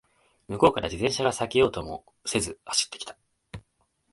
向こうから自転車が避けようともせず走ってきた